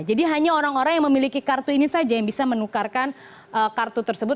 jadi hanya orang orang yang memiliki kartu ini saja yang bisa menukarkan kartu tersebut